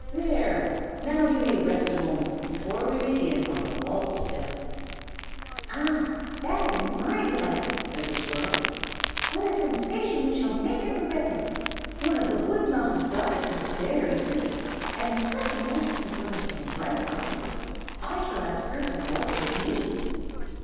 There, now you may rest a moment before you begin on the waltz step." "Ah! that is my delight," said the squirrel. "What a sensation we shall make at the wedding! One of the woodmouse's daughters is very pretty, with such a nice little nose, and such bright eyes! I shall ask her to waltz with me."